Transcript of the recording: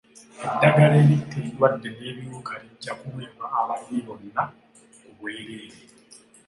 Eddagala eritta endwadde n'ebiwuka lijja kuweebwa abalimi bonna ku bwereere.